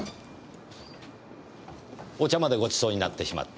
お茶までご馳走になってしまって。